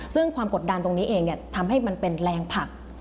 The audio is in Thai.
ซึ่งความกดดันตรงนี้เองทำให้มันเป็นแรงผลัก